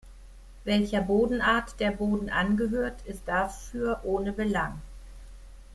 Welcher Bodenart der Boden angehört, ist dafür ohne Belang.